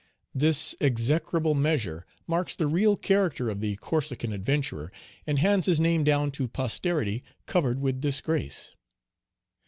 This execrable measure marks the real character of the Corsican adventurer, and hands his name down to posterity covered with disgrace.